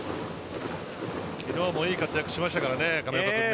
昨日もいい活躍をしましたからね亀岡君。